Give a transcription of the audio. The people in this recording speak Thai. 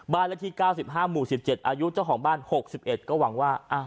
เลขที่๙๕หมู่๑๗อายุเจ้าของบ้าน๖๑ก็หวังว่า